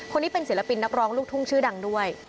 คนนี้เป็นศิลปินนักร้องลูกทุ่งชื่อดังด้วย